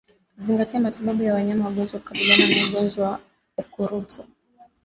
Zingatia matibabu ya wanyama wagonjwa kukabiliana na ugonjwa wa ukurutu